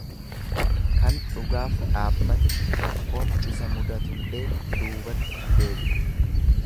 Kan dhugaaf dhaabbate rakkoon isa mudatullee duubatti hin deebi'u.